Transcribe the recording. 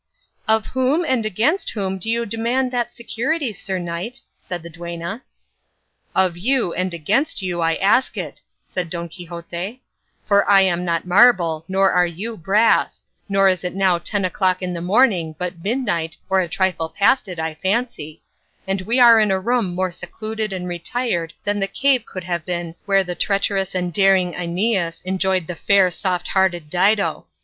"Of whom and against whom do you demand that security, sir knight?" said the duenna. "Of you and against you I ask it," said Don Quixote; "for I am not marble, nor are you brass, nor is it now ten o'clock in the morning, but midnight, or a trifle past it I fancy, and we are in a room more secluded and retired than the cave could have been where the treacherous and daring Æneas enjoyed the fair soft hearted Dido.